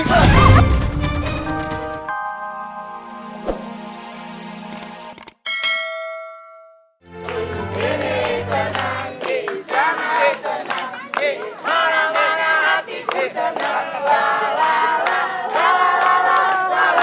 tolong keren kan